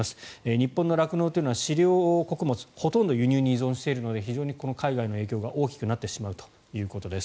日本の酪農というのは飼料穀物ほとんど輸入に依存しているのが非常に海外の影響が大きくなってしまうということです。